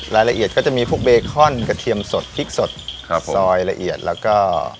รายละเอียดก็จะมีพวกเบคอนกระเทียมสดพริกสดครับซอยละเอียดแล้วก็